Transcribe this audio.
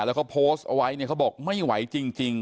แล้วเขาโพสต์เอาไว้เนี่ยเขาบอกไม่ไหวจริง